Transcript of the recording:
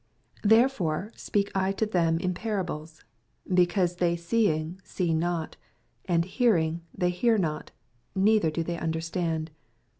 18 Therefore speak I to them in parables : because they seeing see not ; and hearing thev hear not, neither do they understand.